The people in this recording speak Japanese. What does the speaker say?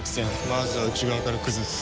まずは内側から崩す。